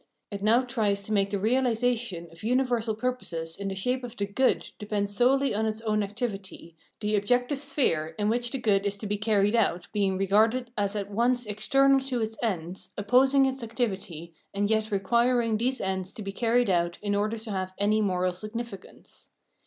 It now tries to make the realisation of universal pur poses in the shape of the Good depend solely on its own activity, the objective sphere in which the good is to be carried out being regarded as at once external to its ends, opposing its activity, and yet requiring these ends to be carried out in order to have any moral significance.